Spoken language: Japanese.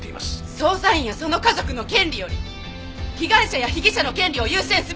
捜査員やその家族の権利より被害者や被疑者の権利を優先すべき。